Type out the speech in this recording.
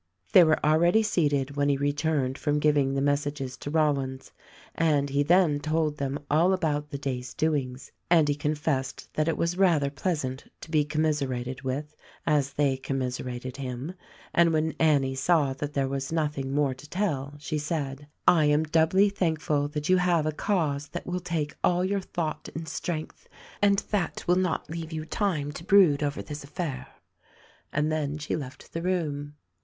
They were already seated when he returned from giv ing the messages to Rollins and he then told them all about the day's doings, and he confessed that it was rather pleas ant to be commiserated with as they commiserated him ; and when Annie saw that there was nothing more to tell, she said, "I am doubly thankful that you have a cause that will take all your thought and strength, and that will not leave you time to brood over this affair." And then she left the room.